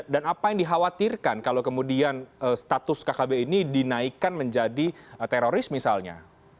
dan apa yang dikhawatirkan kalau kemudian status kkb ini dinaikkan menjadi teroris misalnya